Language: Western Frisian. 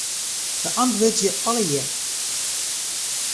Beäntwurdzje allegearre.